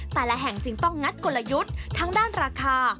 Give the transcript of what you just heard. แต่ละแห่งจึงต้องงัดกลยุทธ์ทั้งด้านราคา